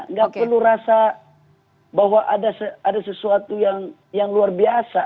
nggak perlu rasa bahwa ada sesuatu yang luar biasa